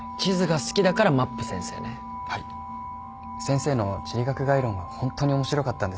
先生の地理学概論はホントに面白かったんです。